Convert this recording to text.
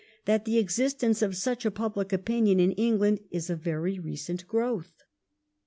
87 that the existence of such a public opinion in England is of very recent growth.